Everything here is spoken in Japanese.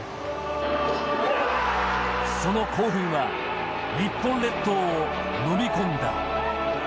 その興奮は、日本列島をのみ込んだ。